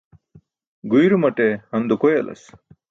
Guirumaṭe han dukoyalas.